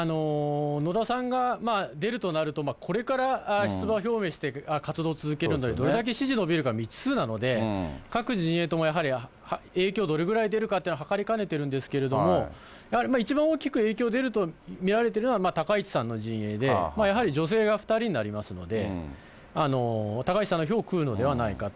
野田さんが出るとなると、これから出馬表明して活動を続けるのにどれだけ支持が伸びるか、未知数なので、各陣営ともやはり影響どれぐらい出るかというのははかりかねてるんですけれども、やはり一番大きく影響出ると見られているのは高市さんの陣営で、やはり女性が２人になりますので、高市さんの票を食うのではないかと。